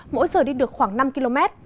mỗi giờ đi được khoảng năm km